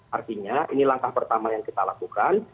artinya ini langkah pertama yang kita lakukan